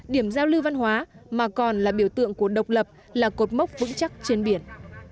điểm giao lưu văn hóa mà còn là biểu tượng của độc lập là cột mốc vững chắc trên biển